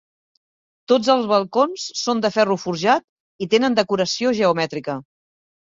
Tots els balcons són de ferro forjat i tenen decoració geomètrica.